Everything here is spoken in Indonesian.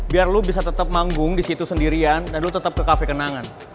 biar lu bisa tetep manggung disitu sendirian dan lu tetep ke cafe kenangan